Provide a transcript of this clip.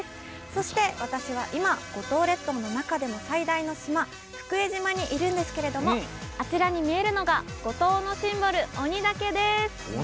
そして、私は今五島列島の中でも最大の島福江島にいるんですがあちらにあるのが五島のシンボル、鬼岳です。